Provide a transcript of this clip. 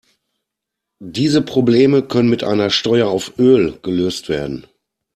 Diese Probleme können mit einer Steuer auf Öl gelöst werden.